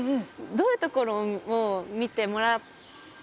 どういうところを見てもらったんですか？